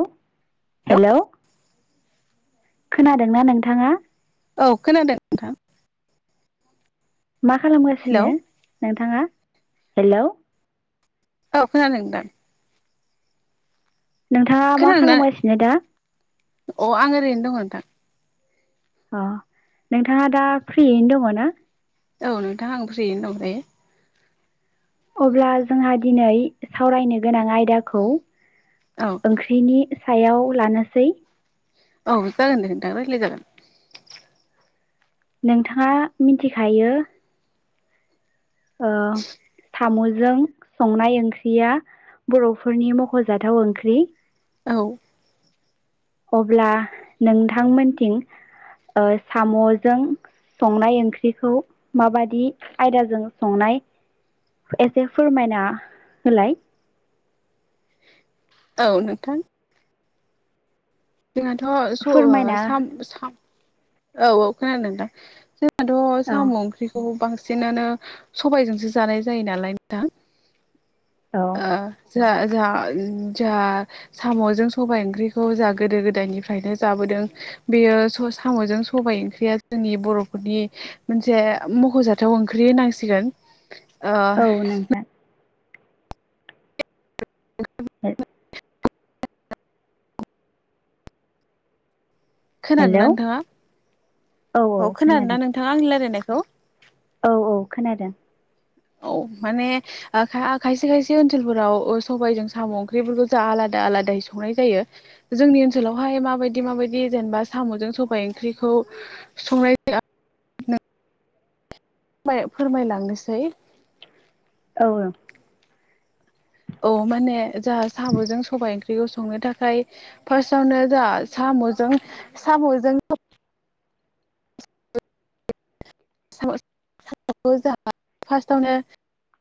औ हेलौ खोनादोंना नोंथाङा औ खोनादों नोंथां मा हेलौ खालामगासिनो नोंथाङा हेलौ औ खोनादों नोंथां नोंथाङा मा खोनादोंना खालामगासिनो दा अ आं ओरैनो दङ नोंथां अ नोंथाङा दा फ्रियैनो दङ ना औ नोंथां आं फ्रियैनो दं दायो अब्ला जोंहा दिनै सावरायनो गोनां आयदाखौ औ ओंख्रिनि सायाव लानोसै औ जागोन दे नोंथां रायज्लाय जागोन नोंथाङा मिथिखायो ओ साम'जों संनाय ओंख्रिया बर'फोरनि मख'जाथाव ओंख्रि औ अब्ला नोंथांमोनथिं ओ साम'जों संनाय ओंख्रिखौ माबादि आयदाजों संनाय एसे फोरमायना होलाय औ नोंथां जोंनाथ' स ओ फोरमायना साम साम औ औ खोनादों नोंथां जो नाथ' औ साम' ओंख्रिखौ बांस सिनानो सबायजोंसो जानाय जायो नालाय नोंथां औ ओ जा जा जा साम'जों सबाय ओंख्रिखौ जागो गोदो गोदायनिफ्रायनो जाबोदों बेयो सम साम'जों सबाइ ओंख्रिया जोंनि बर'फोरनि मोनसे मख'जाथाव ओंख्रि होननांसिगोन औ नोंथां [unintelligible] खोनादों हेलौ ना नोंथाङा औ खोनादों ना नोंथाङा आंनि रायलायनायखौ औ औ खोनादों औ माने ओ खायसे खायसे ओनसोलफोराव ओ सबबायजों साम' ओंख्रिफोरखौ जा आलादा आलादायै संनाय जायो जोंनि ओनसोलावहाय माबायदि माबायदि जेनेबा साम'जों सबाइ ओ ओंख्रिखौ संनाय [unintelligible] [inaudible] [unintelligible] फोरमायलांनोसै औ औ औ माने जाहा साम'जों सबाइ ओंख्रिखौ संनो थाखाय फासावनो जाहा सा म'जों साम'जों [inaudible] [unintelligible] जाहा फासटाआवनो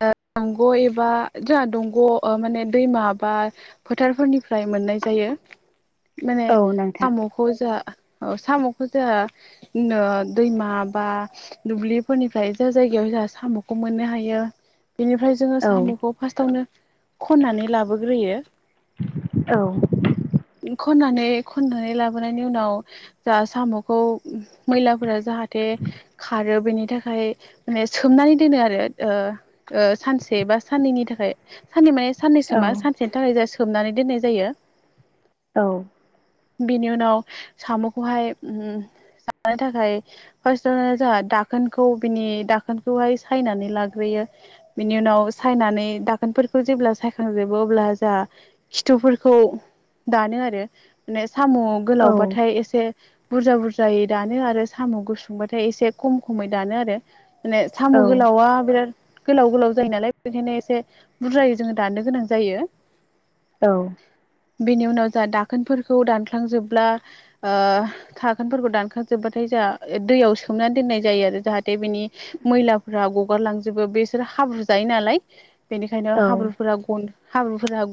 ओ दंग' एबा जाहा दंग' ओ माने दैमा बा फोथारफोरनिफ्राय मोन मोननाय जायो [inaudible] माने नोंथां सामुखौ जा सामुखौ जाहा दैमा बा दुब्लिफोरनिफ्राय जा जायगायाव जाहा साम'खौ मोननो हायो बिनिफ्राय जोङो औ साम'खौ फासटावनो खन्नानै लाबोग्रोयो औ खननानै खननानै लाबोनायनि उनाव जाहा साम'खौ मैलाफोरा जाहाथे आरो बेनि थाखाय माने सोमनानै दोनो आरो ओ ओ सानसे बा साननैनि थाखाय साननै माने साननै औ सोमा सानसेनि थाखायज सोमनानै दोननाय जायो औ बिनि उनाव साम'खौहाय ओम जानो थाखाय फार्स्टआवनो जाहा दाखोनखौ बिनि दाखोनखौहाय सायनानै लाग्रोयो बिनि उनाव सायनानै दाखोनफोरखौ जेब्ला सायखांजोबो अब्ला जाहा खिथुफोरखौ दानो आरो माने साम' औ गोलावबाथाय एसे बुरजा बुरजायै दानो आरो साम' गुसुंबाथाय एसे खम खमै दानो आरो माने साम' गोलावा बिराद गोलाव गोलाव जायो नालाय बेनिखायनो एसे बुरजायै जोङो दाननो गोनां जायो औ बेनि उनाव जा दाखोनफोरखौ दानख्लांजोबब्ला ओ दाखोनफोरखौ दानखांजोबबाथाय जा दैयाव सोमनानै दोननाय जायो आरो जाहाथे बिनि मैलाफोरा गगारलांजोबो, बिसोर हाब्रु जायो नालाय बेनिखायनो औ हाब्रुफोरा गन हाब्रुफोरा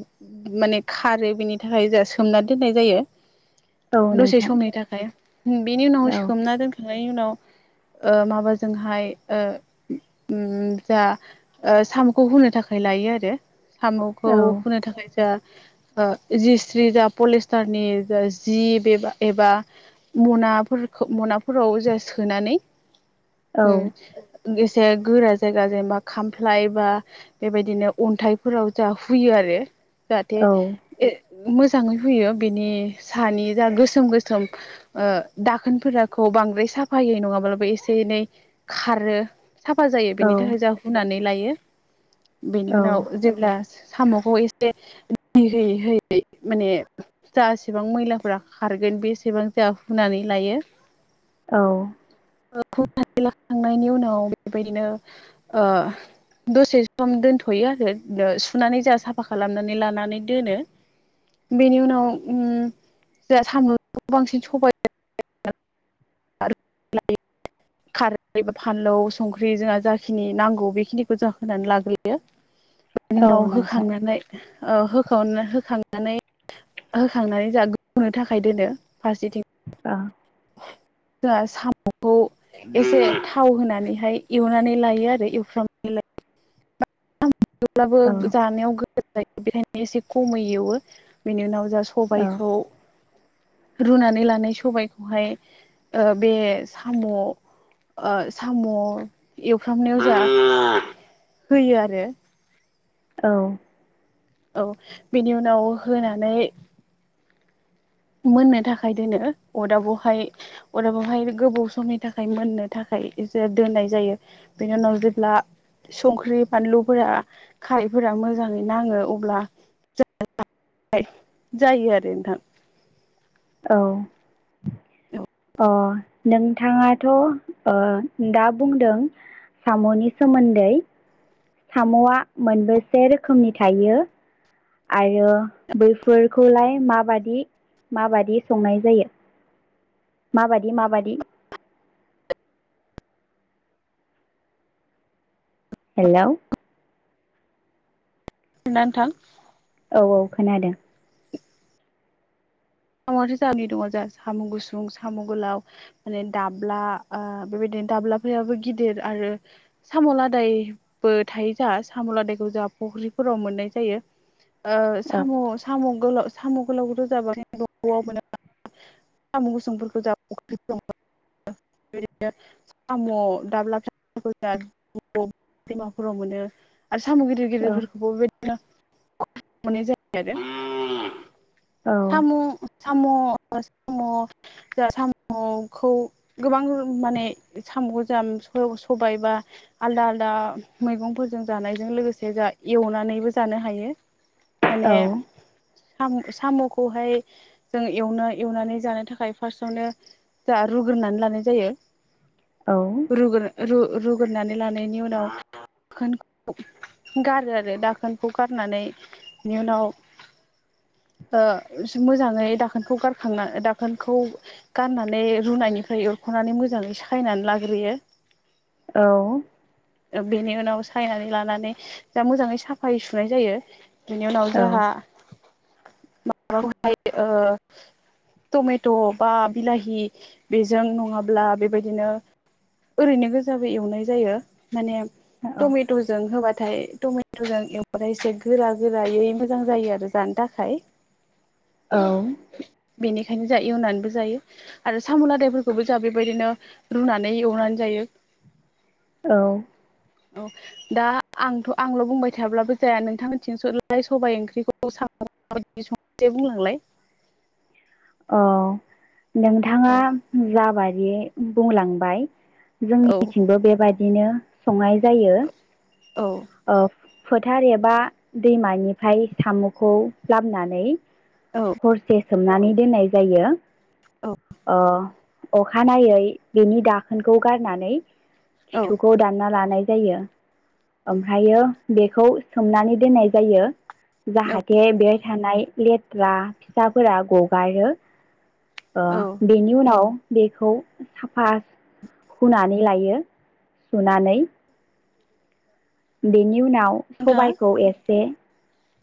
माने खारो बेनि थाखाय जोहा सोमना दोननाय जायो। औ दसे नोंथां समनि थाखाय बेनि उनाव औ सोमना दोनखांनायनि उनाव ओ माबाजोंहाय ओ ओम जा साम'खौ हुनो थाखाय लायो आरो साम'खौ औ हुनो थाखाय जा औ ओ जिस्रि जा पलिस्टारनि जा जि एबा म'नाफोर खो म'नाफोराव जा सोनानै औ ओम [unintelligible] जे गोरा जायगा जेनेबा खामफ्लाय बा बेबायदिनो अन्थाइफोराव जा हुयो आरो। जाथे औ मोजाङै फैयो बेनि सानि जा गोसोम गोसोम ओ दाखोनफोराखौ। बांद्राय साफायै नङाब्लाबो एसे एसे एनै खारो साफा जायो बेनि थाखाय जा हुनानै लायो। बेनि औ उनाव जेब्ला साम'खौ एसे दै होयै होयै माने जा इसेबां मैलाफोरा खारगोन। बेसेबां जाहा फुनानै लायो। औ फथ [unintelligible] लाखांनायनि उनाव बेबायदिनो ओ। दसे सम दोनथ'यो आरो सुनानै जों साफा खालामनानै लानानै दोनो बेनि उनाव ओ जोंहा सामुखौ बांसिन सबायजों। आ [inaudible] खारै बा फानलौ संख्रि जोंहा जाखिनि नांगौ बेखिनिखौ जाहा होनानै लाग्रोयो। [inaudible] बिनि उनाव होखांनानै ओ होखांनानै होखांनानै जाहा गोदौनो थाखाय दोनो फारसेथिं। औ जोंहा साम'खौ एसे थाव होनानैहाय एवनानै लायो आरो एवफ्रामनानै लायो। जेब्लाबो जानायाव गोसो जायो बेखायनो एसे खमै एवो बेनि उनाव। जा औ सबायखौ रुनानै लानाय सबायखौहाय ओ बे साम'। ओ साम' एवफ्रामनायाव जाहा होयो आरो। औ। औ बेनि उनाव होनानै। मोननो थाखाय दोनो अरदाबावहाय अरदाबावहाय गोबाव समनि थाखाय मोननो थाखाय। दोननाय जायो बेनि उनाव जेब्ला। संख्रि बानलुफोरा खारैफोरा मोजाङै नाङो अब्ला ज' जायो आरो नोंथां। औ। औ। अ नोंथाङाथ' ओ दा बुंदों। साम'नि सोमोन्दै साम'या मोनबेसे रोखोमनि थायो? आरो बैफोरखौलाय माबादि माबादि संनाय जायो? माबादि माबादि। हेलौ। खोनादों ना नोंथां? औ औ खोनादों। साम'याथ' जाबनि दङ जोंहा साम' गुसुं साम' गोलाव माने दाब्ला ओ बेबायदिनो। दाब्लाफोराबो गिदिर आरो साम' लादायबो थायो जा साम' आदायखौ जा। फुख्रिफोराव मोननाय जायो। ओ औ साम' साम' गोलाव साम' गोलावखौथ' जाबाथाय न'आव [unintelligible] मोनो। साम' गुसंफोरखौ [unintelligible] दं [unintelligible] बिनो साम' दाब्ला [unintelligible] जों [unintelligible] दैमाफोराव मोनो। आरो साम' गिदिर औ गिदिरफोरखौबो बेबायदिनो [unintelligible] मोननाय जायो आरो। औ साम' साम' साम'। जाहा साम'खौ गोबां माने साम' जाहा सबाय बा आलदा आलदा मैगंफोरजों जानायजों लोगोसे जा एवनानैबो जानो हायो। औ माने साम'खौहाय जों एवनो एवनानै जानो थाखाय फार्स्टयावनो जाहा रुग्रोनानै लानाय जायो। रूगोर रू रुगोरनानै लानायनि उनाव दाखोनखौ गारो आरो दाखोनखौ गारनानै बिनि उनाव ओ मोजाङै दाखोनखौ गार खांना दाखोनखौ गाननानै रुनायनिफ्राय एरख'नानै मोजाङै सायनानै लाग्रोयो। औ बेनि उनाव सायनानै लानानै दा मोजाङै साफाय सुनाय जायो। बिनि उनाव जोंहा [unintelligible] खौहाय टमेट' बा बिलाहि बेजों नङाब्ला बेबायदिनो ओरैनो गोजाबो एवनाय जायो माने टमेट'जों होबाथाय। टमेट'जों एवथाय एसे गोरा गोरायै मोजां जायो आरो जानो थाखाय औ बेनिखायनो जों एवनानैबो जायो आरो साम' लादायफोरखौबो जों बेबायदिनो रुनानै एवनानै जायो। औ औ दा आंथ' आंल' बुंबाय थाब्लाबो जाया नोंथांनि थिंसोलाय सबाय ओंख्रिखौ [unintelligible] बुंलांलाय [inaudible] औ नोंथाङा औ जाबादि बुंलांबाय औ जोंनिथिंबो बेबादिनो संनाय जायो। औ फोथार एबा दैमानिफ्राय साम'खौ लाबोनानै औ हरसे सोमनानै दोननाय जायो। अखानायै बिनि दाखोनखौ गारनानै औ खिथुखौ दानना लानो। ओमफ्रायो बेखौ सोमनानै दोननाय जायो। औ जाहाथे बेयाव थानाय लेथ्रा फिसाफोरा गगारो। औ औ बेनि उनाव बेखौ साफा हुनै लायो सुनानै बेनि नि उनाव नोंथाङा सबायखौ एसे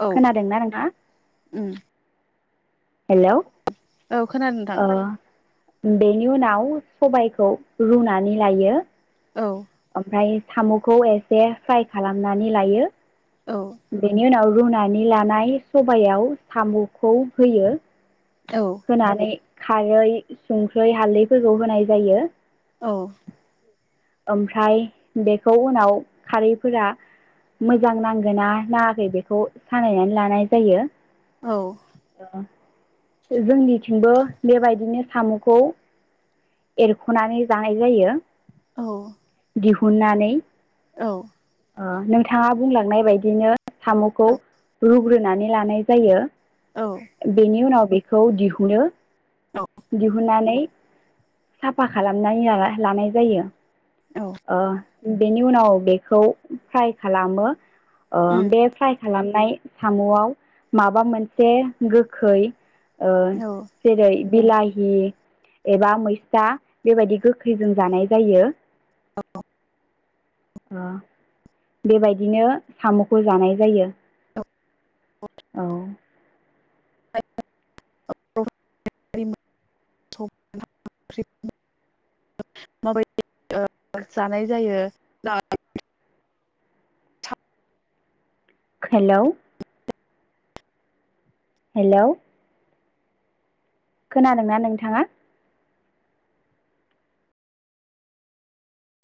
औ खोनादोंना नोंथाङा? उम हेलौ औ खोनादों नोंथां। ओ बेनि उनाव सबायखौ रुनानै लायो। औ ओमफ्राय साम'खौ एसे फ्राइ खालामनानै लायो। औ बेनि उनाव रुनानै लानाय सबायाव साम'खौ होयो। औ औ होनानै खारै संख्रै हालदैफोरखौ होनाय जायो। औ ओमफ्राय बेखौ उनाव खारैफोरा मोजां नांगोना नाङाखै बेखौ सानायनानै लानाय जायो। औ औ जोंनिथिंबो बेबायदिनो साम'खौ एरख'नानै जानाय जायो। औ दिहुननानै औ नोंथाङा बुंलांनाय बायदिनो साम'खौ रुग्रोनानै लानाय जायो। बेनि उनाव बेखौ दिहुनो दिहुननानै साफा खालामनानै लानाय जायो। बेनि उनाव बेखौ फ्राइ खालामो बे फ्राइ खालामनाय सामुआव माबा मोनसे गोखै जेरै बिलाहि एबा मैस्थ बेबायदि गोखैजों जानाय जायो औ बेबायदिनो साम'खौ जानाय जायो औ [unintelligible] माबायदि जानाय जायो हेलौ हेल' खोनादोंना नोंथाङा